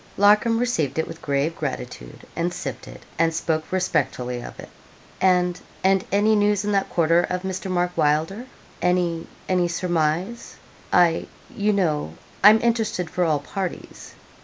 Larcom received it with grave gratitude, and sipped it, and spoke respectfully of it. 'And and any news in that quarter of Mr. Mark Wylder any any surmise? I you know I'm interested for all parties.'